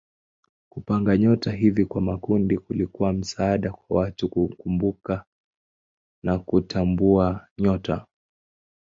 Kupanga nyota hivi kwa makundi kulikuwa msaada kwa watu kukumbuka na kutambua nyota.